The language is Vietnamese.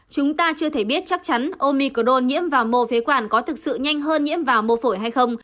chúng ta chưa thể biết chắc chắn omicron nhiễm và mô phế quản có thực sự nhanh hơn nhiễm vào mô phổi hay không